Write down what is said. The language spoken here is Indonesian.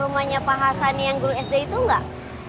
rumahnya pak hasan yang guru sd itu enggak